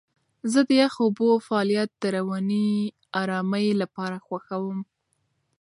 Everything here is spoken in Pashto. زه د یخو اوبو فعالیت د رواني آرامۍ لپاره خوښوم.